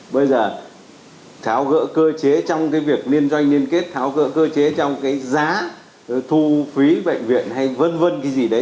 bây giờ tháo gỡ cơ chế trong cái việc liên doanh liên kết tháo gỡ cơ chế trong cái giá thu phí bệnh viện hay vân vân cái gì đấy